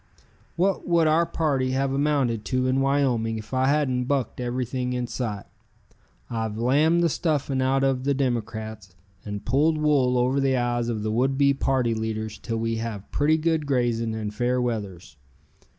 What would our party have amounted to in Wyoming if I hadn't Bucked everything in sight? I've Lambed the stuffing out of the Democrats and Pulled Wool over the eyes of the would be party leaders till we have Pretty Good Grazing and Fair We(a)thers.